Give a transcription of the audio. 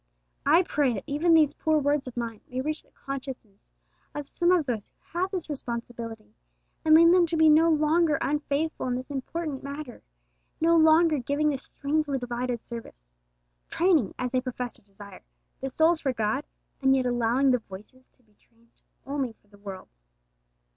I pray that even these poor words of mine may reach the consciences of some of those who have this responsibility, and lead them to be no longer unfaithful in this important matter, no longer giving this strangely divided service training, as they profess to desire, the souls for God, and yet allowing the voices to be trained only for the world.